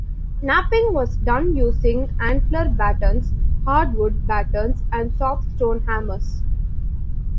Knapping was done using antler batons, hardwood batons and soft stone hammers.